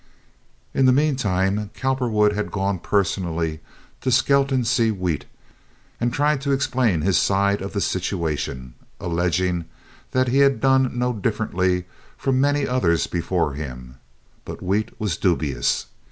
In the meantime, Cowperwood had gone personally to Skelton C. Wheat and tried to explain his side of the situation, alleging that he had done no differently from many others before him, but Wheat was dubious.